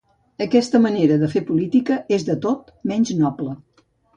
Aquesta manera de fer política és de tot menys noble.